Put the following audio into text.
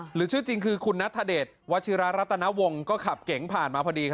หรือชื่อจริงคือคุณนัทเดชวัชิระรัตนวงก็ขับเก๋งผ่านมาพอดี